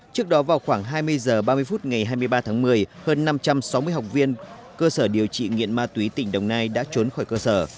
trước đó vào khoảng hai mươi h ba mươi phút ngày hai mươi ba tháng một mươi hơn năm trăm sáu mươi học viên cơ sở điều trị nghiện ma túy tỉnh đồng nai đã trốn khỏi cơ sở